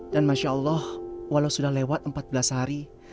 dan masya allah walau sudah lewat empat belas hari